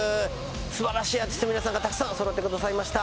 素晴らしいアーティストの皆さんがたくさん揃ってくださいました。